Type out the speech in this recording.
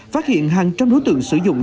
phát hiện hàng trăm đối tượng sử dụng